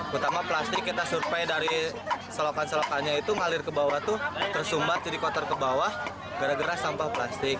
pertama plastik kita survei dari selokan selokannya itu ngalir ke bawah itu tersumbat jadi kotor ke bawah gara gara sampah plastik